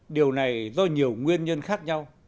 điều này do nhiều nguyên nhân khác nhau